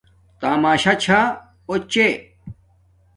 تماشہ چھا اݸچے